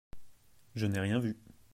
Je n’ai rien vu.